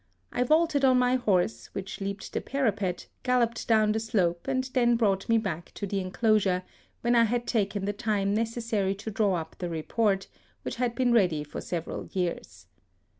I vaulted on my horse, which leaped the parapet, galloped down the slope, and then brought me back to the enclosure when I had taken the time neces sary to draw up the report, which had been ready for several years.